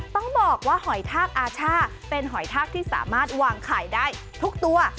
ต้องบอกว่าหอยทากอาช่าเป็นหอยทากที่สามารถวางไข่ได้ทุกตัว